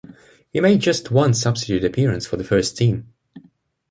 He made just one substitute appearance for the first team.